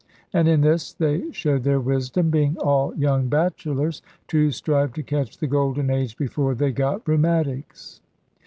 And in this they showed their wisdom (being all young bachelors) to strive to catch the golden age before they got rheumatics.